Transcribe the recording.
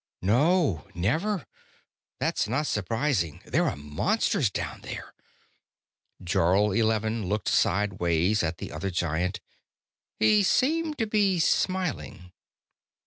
"No, never. That's not surprising. There are monsters down there." Jarl Eleven looked sidewise at the other Giant. He seemed to be smiling.